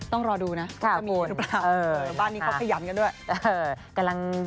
ต้องรอดูนะมีมีรู้ประมาณกันหรือเปล่าแบบนี้เขาขยันกันด้วย